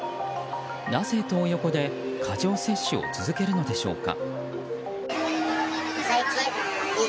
なぜ、トー横で過剰摂取を続けるのでしょうか。